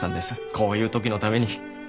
こういう時のために。